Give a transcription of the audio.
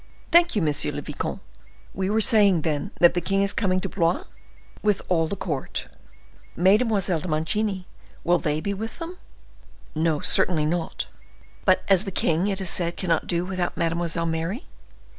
"Thank you, Monsieur le Vicomte. We were saying, then, that the king is coming to Blois?" "With all the court." "Mesdemoiselles de Mancini, will they be with them?" "No, certainly not." "But as the king, it is said, cannot do without Mademoiselle Mary?"